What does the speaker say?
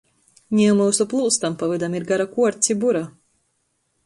Niu myusu plūstam pa vydam ir gara kuorts i bura!